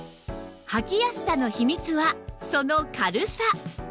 履きやすさの秘密はその軽さ